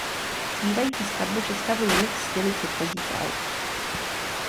Zbývající skladby představují mix stylů předchozích alb.